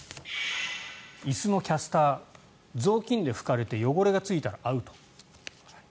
椅子のキャスター雑巾で拭かれて汚れがついたらアウト。